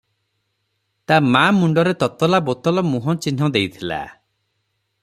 ତା’ ମା’ ମୁଣ୍ଡରେ ତତଲା ବୋତଲ ମୁହଁ ଚିହ୍ନ ଦେଇଥିଲା ।